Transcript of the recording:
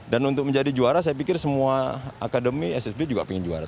dan untuk menjadi juara saya pikir semua akademi ssb juga pengen juara